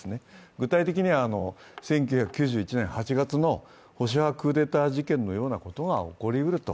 具体的には１９９１年８月のロシアクーデター事件のようなことが起こり得ると。